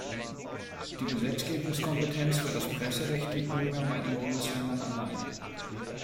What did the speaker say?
Die Gesetzgebungskompetenz für das Presserecht liegt nunmehr bei den Bundesländern allein.